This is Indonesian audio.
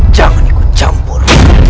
jangan ikut campur